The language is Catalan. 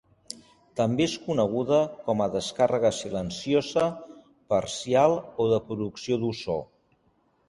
També és coneguda com a descàrrega silenciosa, parcial o de producció d'ozó.